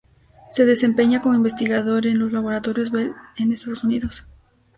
Se desempeña como investigador en los Laboratorios Bell en Estados Unidos.